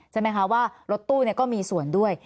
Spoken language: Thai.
ใช่ไหมคะว่ารถตู้ก็มีส่วนด้วย